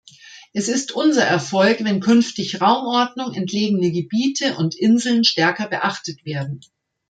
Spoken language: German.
Es ist unser Erfolg, wenn künftig Raumordnung, entlegene Gebiete und Inseln stärker beachtet werden.